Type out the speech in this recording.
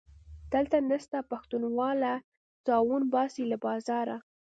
دلته نسته پښتونواله - ساوڼ باسي له بازاره